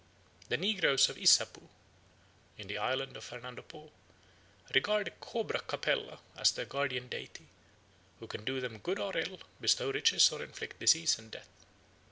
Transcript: The negroes of Issapoo, in the island of Fernando Po, regard the cobra capella as their guardian deity, who can do them good or ill, bestow riches or inflict disease and death.